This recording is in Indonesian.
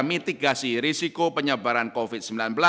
mitigasi risiko penyebaran covid sembilan belas